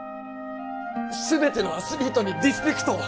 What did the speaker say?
「すべてのアスリートにリスペクトを」